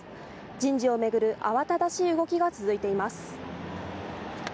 人事を巡る慌ただしい動きが続いています。